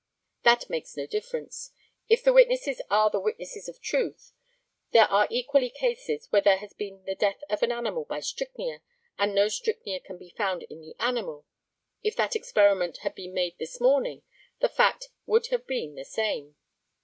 ] That makes no difference. If the witnesses are the witnesses of truth, there are equally cases where there has been the death of an animal by strychnia, and no strychnia can be found in the animal; if that experiment had been made this morning, the fact would have been the same.